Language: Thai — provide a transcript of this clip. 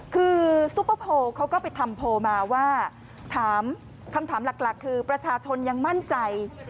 คือซุปเปอร์โพลเขาก็ไปทำโพลมาว่าถามคำถามหลักคือประชาชนยังมั่นใจ